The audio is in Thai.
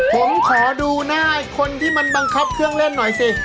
ผมขอดูหน้าคนที่มันบังคับเครื่องเล่นหน่อยสิ